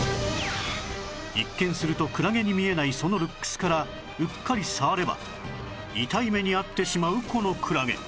一見するとクラゲに見えないそのルックスからうっかり触れば痛い目に遭ってしまうこのクラゲ